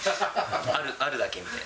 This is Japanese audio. あるだけみたいな。